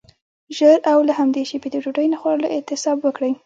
ژر او له همدې شیبې د ډوډۍ نه خوړلو اعتصاب وکړئ.